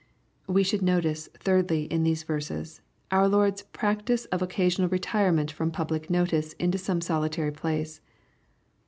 We should notice, thirdly, in these verses, our Lord^s practice of occasional retirement from public notice into some solitary place.